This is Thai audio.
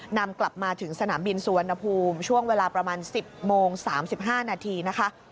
นำกลับมาถึงสนามบินสุวรรณภูมิช่วงเวลาประมาณ๑๐โมง๓๕นาทีนะคะ